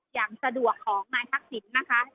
อย่างสะดวกของนายทักษิณนะคะ